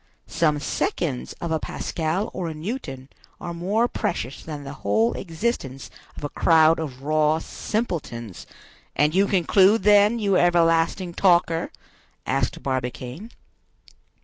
Some seconds of a Pascal or a Newton are more precious than the whole existence of a crowd of raw simpletons—" "And you conclude, then, you everlasting talker?" asked Barbicane.